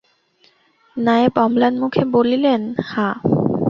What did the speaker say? নায়েব অম্লানমুখে বলিলেন, হাঁ।